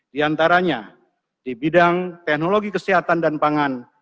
di antaranya di bidang teknologi kesehatan dan pangan